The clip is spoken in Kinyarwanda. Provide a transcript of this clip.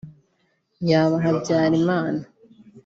yaba Habyarimana